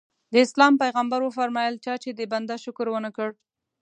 د اسلام پیغمبر وفرمایل چا چې د بنده شکر ونه کړ.